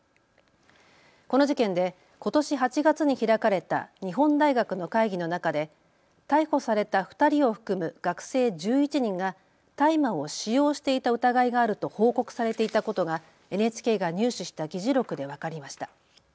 この事件でことし８月に開かれた日本大学の会議の中で逮捕された２人を含む学生１１人が大麻を使用していた疑いがあると報告されていたことがＮＨＫが入手した議事録で分かりました。